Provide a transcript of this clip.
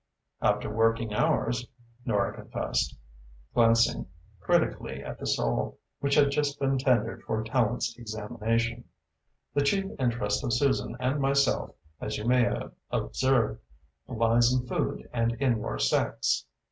"After working hours," Nora confessed, glancing critically at the sole which had just been tendered for Tallente's examination, "the chief interest of Susan and myself, as you may have observed, lies in food and in your sex.